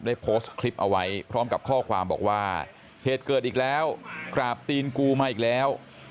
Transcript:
ได้โพสต์คลิปเอาไว้พร้อมกับข้อความบอกว่าเหตุเกิดอีกแล้วกราบตีนกูมาอีกแล้ว